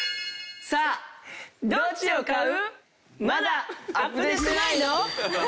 さあどっちを飼う？